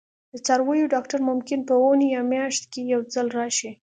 د څارویو ډاکټر ممکن په اونۍ یا میاشت کې یو ځل راشي